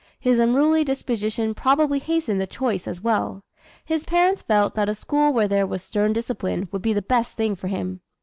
His unruly disposition probably hastened the choice as well. His parents felt that a school where there was stern discipline would be the best thing for him.